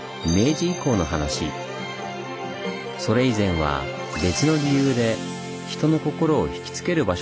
それ以前は別の理由で人の心をひきつける場所だったんです。